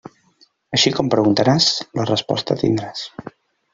Així com preguntaràs, la resposta tindràs.